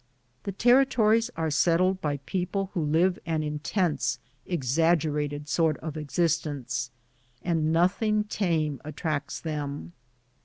The territories are settled by people who live an in tense, exaggerated sort of existence, and nothing tame attracts them.